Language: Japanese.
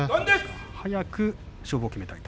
早く勝負を決めたいと。